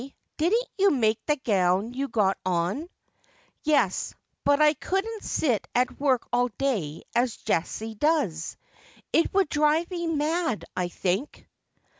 didn't yon make the gown you've got on ?' 'Yes : but I couldn't sit at work all day as Jessie does. It ■would drive me mad. I think.'